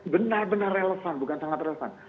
benar benar relevan bukan sangat relevan